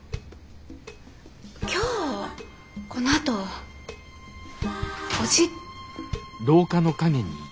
今日このあとお時。